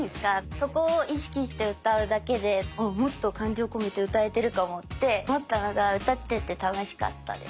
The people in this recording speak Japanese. そこを意識して歌うだけでもっと感情込めて歌えてるかもって思ったのが歌ってて楽しかったです。